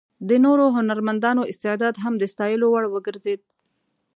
د نورو هنرمندانو استعداد هم د ستایلو وړ وګرځېد.